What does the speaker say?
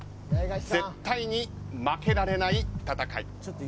絶対に負けられない戦い。